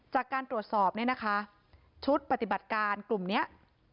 จากการตรวจสอบเนี่ยนะคะชุดปฏิบัติการกลุ่มนี้